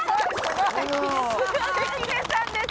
関根さんです。